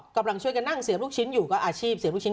กำลังช่วยกันนั่งเสียบลูกชิ้นอยู่ก็อาชีพเสียบลูกชิ้น